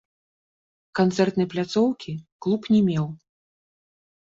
Канцэртнай пляцоўкі клуб не меў.